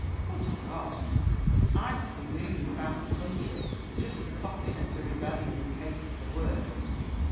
— Good God! I to be moving about the eountry just to pop in at a rebellion in case of the worst